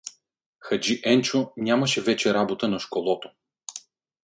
Хаджи Енчо нямаше вече работа на школото.